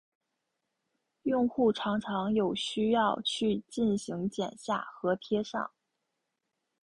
用户常常有需要去进行剪下和贴上。